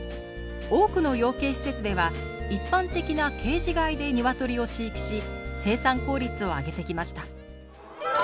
多くの養鶏施設では一般的な「ケージ飼い」で鶏を飼育し生産効率を上げてきました